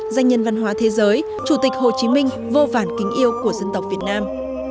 danh nhân văn hóa thế giới chủ tịch hồ chí minh vô vản kính yêu của dân tộc việt nam